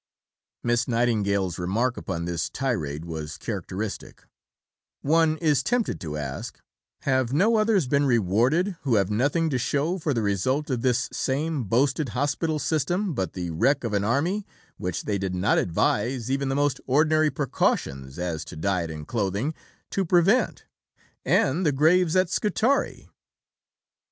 Miss Nightingale's remark upon this tirade was characteristic: "One is tempted to ask, have no others been rewarded who have nothing to show for the result of this same boasted hospital system, but the wreck of an Army, which they did not advise even the most ordinary precautions (as to diet and clothing) to prevent, and the graves at Scutari."